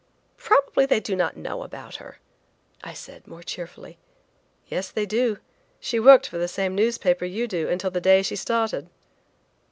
"Probably they do not know about her," I said more cheerfully. "Yes they do. She worked for the same newspaper you do until the day she started."